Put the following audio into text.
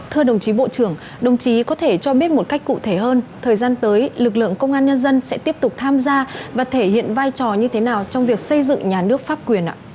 thưa đồng chí bộ trưởng đồng chí có thể cho biết một cách cụ thể hơn thời gian tới lực lượng công an nhân dân sẽ tiếp tục tham gia và thể hiện vai trò như thế nào trong việc xây dựng nhà nước pháp quyền ạ